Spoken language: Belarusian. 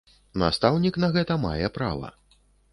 Настаўнік на гэта мае права.